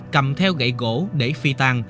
cầm theo gậy gỗ để phi tan